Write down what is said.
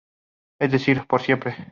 Es decir, por siempre.